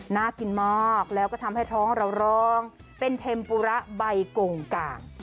น่ากินมากแล้วก็ทำให้ท้องเราร้องเป็นเทมปุระใบกงกาง